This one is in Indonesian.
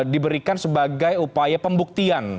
diberikan sebagai upaya pembuktian